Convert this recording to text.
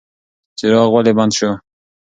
څراغ ولې بند شو؟